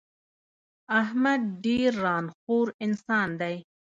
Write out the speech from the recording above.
احمد ډېر ًران خور انسان دی.